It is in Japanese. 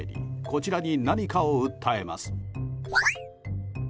こちらに何かを訴えます。